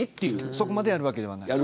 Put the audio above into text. そこまでやるわけではない。